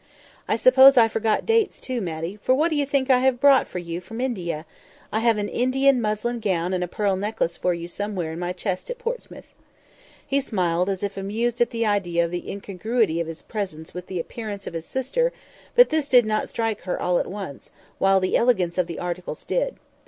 "I suppose I forgot dates too, Matty, for what do you think I have brought for you from India? I have an Indian muslin gown and a pearl necklace for you somewhere in my chest at Portsmouth." He smiled as if amused at the idea of the incongruity of his presents with the appearance of his sister; but this did not strike her all at once, while the elegance of the articles did.